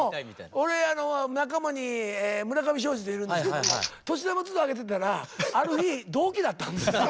俺仲間に村上ショージっているんですけれども年玉ずっとあげてたらある日同期だったんですよ。